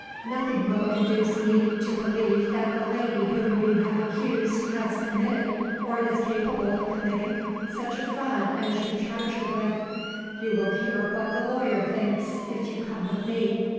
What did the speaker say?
Nothing will induce we to believe that the lady whom you have accused has committed, or is capable of committing, such a fraud as you charge her with. You will hear what the lawyer thinks, if you come with me.